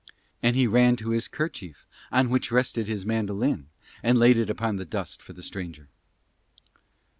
And he ran to his kerchief on which rested his mandolin and laid it upon the dust for the stranger.